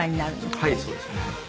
はいそうですね。